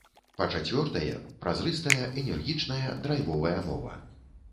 Па-чацвёртае, празрыстая, энергічная, драйвовая мова.